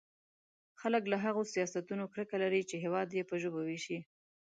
خلک له هغو سیاستونو کرکه لري چې هېواد يې په ژبو وېشي.